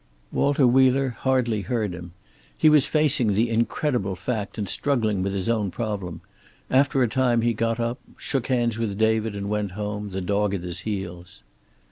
Walter Wheeler hardly heard him. He was facing the incredible fact, and struggling with his own problem. After a time he got up, shook hands with David and went home, the dog at his heels.